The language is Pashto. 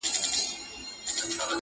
که وچ لرګی ومه وچ پوست او څو نري تارونه,